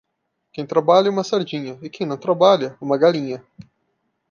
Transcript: Quem trabalha, uma sardinha; e quem não trabalha, uma galinha.